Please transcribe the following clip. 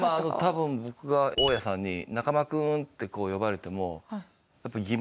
多分僕が大家さんに「中間くん」って呼ばれても。